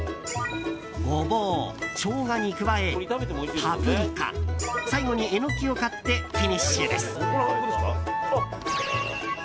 ゴボウ、ショウガに加えパプリカ最後にエノキを買ってフィニッシュです。